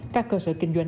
các cơ sở kinh doanh